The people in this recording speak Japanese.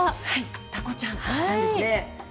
タコちゃんなんですね。